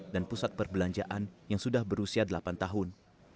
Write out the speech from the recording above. dan pusat perbelanjaan yang sudah berusia delapan tahun